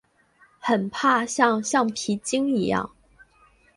很怕像橡皮筋一样